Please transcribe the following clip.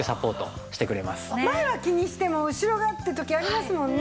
前は気にしても後ろがって時ありますもんね。